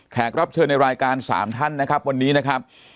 รับเชิญในรายการ๓ท่านนะครับวันนี้นะครับ